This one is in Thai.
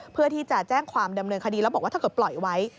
เพื่อที่จะแจ้งความดำเนินคดีแล้วบอกว่าถ้าเกิดปล่อยไว้